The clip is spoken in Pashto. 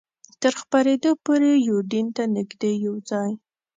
تر خپرېدو پورې یوډین ته نږدې یو ځای.